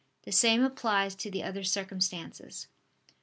The same applies to the other circumstances.